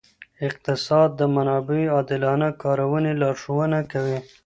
اقتصاد د منابعو عادلانه کارونې لارښوونه کوي.